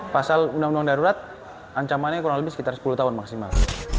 pasal undang undang darurat ancamannya kurang lebih sekitar sepuluh tahun maksimal